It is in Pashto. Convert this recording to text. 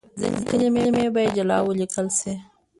ځينې کلمې بايد جلا وليکل شي.